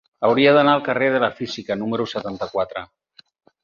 Hauria d'anar al carrer de la Física número setanta-quatre.